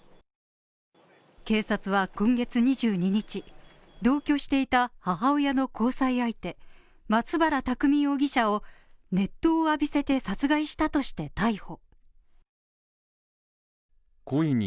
警察は今月２２日、同居していた母親の交際相手松原拓海容疑者を、熱湯を浴びせて殺害したとして逮捕。